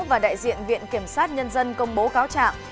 và đại diện viện kiểm sát nhân dân công bố cáo trạng